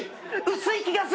薄い気がする！